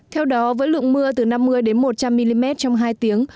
theo đó với lượng mưa từ năm mươi đến một trăm linh mm trong hai tầng